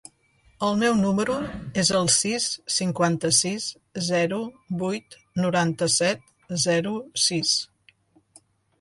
El meu número es el sis, cinquanta-sis, zero, vuit, noranta-set, zero, sis.